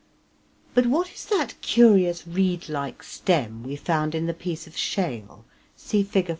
But what is that curious reed like stem we found in the piece of shale (see Fig.